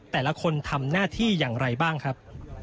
แต่ละคนทำหน้าที่อย่างไรบ้างครับ